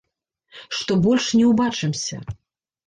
Што больш не ўбачымся.